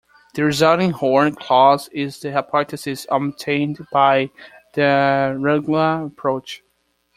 The resulting Horn clause is the hypothesis obtained by the rlgg approach.